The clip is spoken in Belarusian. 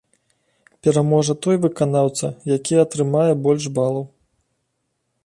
Пераможа той выканаўца, які атрымае больш балаў.